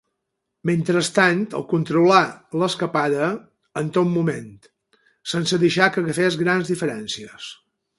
Mentrestant el controlà l'escapada en tot moment, sense deixar que agafés grans diferències.